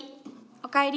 おかえり。